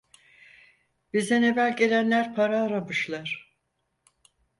Bizden evvel gelenler para aramışlar…